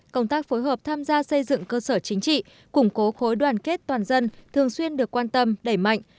công tác phối hợp tham gia xây dựng cơ sở chính trị củng cố khối đoàn kết toàn dân thường xuyên được quan tâm đẩy mạnh